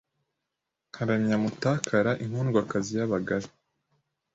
Nkaramya Mutakara inkundwakazi y'abagabe